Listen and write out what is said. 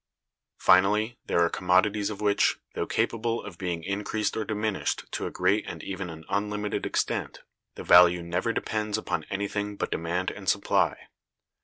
Finally, there are commodities of which, though capable of being increased or diminished to a great and even an unlimited extent, the value never depends upon anything but demand and supply.